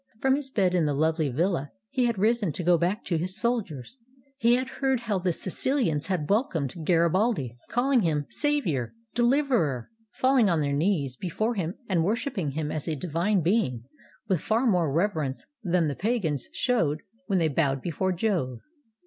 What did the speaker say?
From his bed in the lovely villa he had risen to go back to his soldiers. He had heard how the SiciHans had welcomed Garibaldi, calHng him "Sav ior," "Deliverer," falling on their knees before him and worshiping him as a divine being, with far more reverence than the pagans showed when they bowed before Jove.